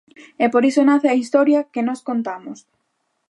E por iso nace a historia que nós contamos.